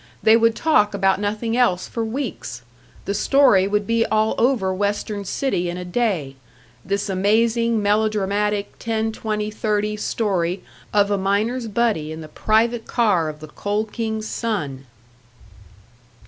They would talk about nothing else for weeks! The story would be all over Western City in a day this amazing, melodramatic, ten twenty thirty story of a miner's buddy in the private car of the Coal King's son!